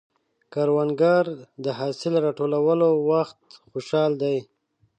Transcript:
کروندګر د حاصل راټولولو وخت خوشحال دی